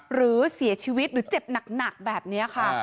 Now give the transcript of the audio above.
หรือเสียชีวิตหรือเจ็บหนักแบบนี้ค่ะ